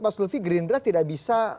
mas lutfi grindra tidak bisa